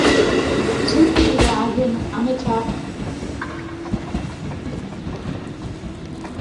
Zeintzuk dira haien ametsak?